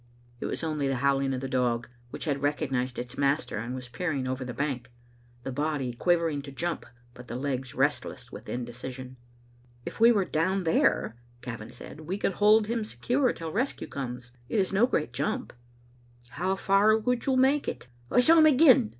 It was only the howling of the dog, which had recognized its master and was peering over the bank, the body quivering to jump, but the legs restless with indecision. " If we were down there," Gavin said, "we could hold him secure till rescue comes. It is no great jump. "" How far would you make it? I saw him again!"